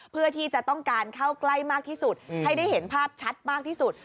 เพื่อที่จะต้องการเข้าใกล้มากที่สุดให้ได้เห็นภาพชัดมากที่สุด